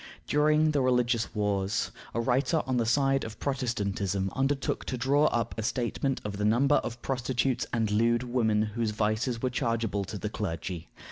During the religious wars, a writer on the side of Protestantism undertook to draw up a statement of the number of prostitutes and lewd women whose vices were chargeable to the clergy.